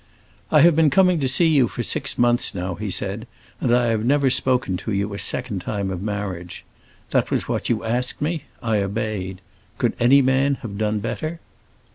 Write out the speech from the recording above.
"I have been coming to see you for six months, now," he said, "and I have never spoken to you a second time of marriage. That was what you asked me; I obeyed. Could any man have done better?"